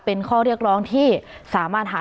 สนับสนุนโดยทีโพพิเศษถูกอนามัยสะอาดใสไร้คราบ